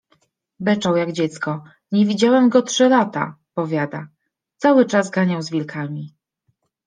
beczał jak dziecko. '' Nie widziałem go trzy lata '', powiada. Cały czas ganiał z wilkami.